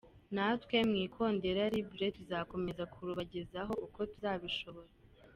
Natwe mu Ikondera libre tuzakomeza kurubagezaho uko tuzabishobora.